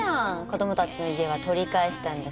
子供たちの家は取り返したんだし。